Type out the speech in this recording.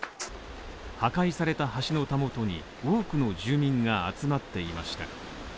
破壊された橋のたもとに、多くの住民が集まっていました。